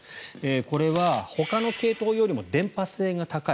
これはほかの系統よりも伝播性が高い。